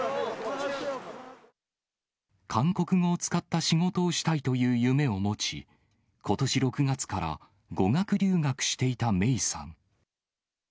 韓国語を使った仕事をしたいという夢を持ち、ことし６月から語学留学していた芽生さん。